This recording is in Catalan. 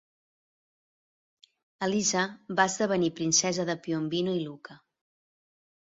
Elisa va esdevenir Princesa de Piombino i Lucca.